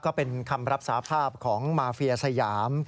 ก็เป็นคำรับสาภาพของมาเฟียสยาม